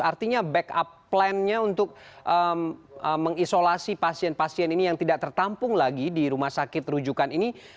artinya backup plannya untuk mengisolasi pasien pasien ini yang tidak tertampung lagi di rumah sakit rujukan ini